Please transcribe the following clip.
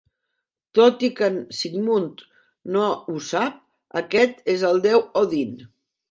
Tot i que en Sigmund no ho sap, aquest és el deu Odin.